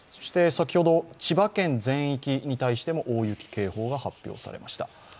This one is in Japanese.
先ほど、千葉県全域に対しても大雪警報が発表されました。